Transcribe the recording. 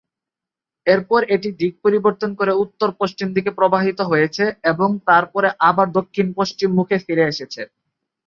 এরপর এটি দিক পরিবর্তন করে উত্তর-পশ্চিম দিকে প্রবাহিত হয়েছে এবং তারপরে আবার দক্ষিণ-পশ্চিম মুখে ফিরে এসেছে।